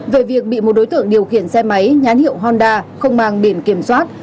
về việc bị một đối tượng điều khiển xe máy nhán hiệu honda không mang điểm kiểm soát